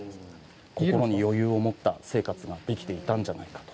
心に余裕を持った生活ができていたんじゃないかと。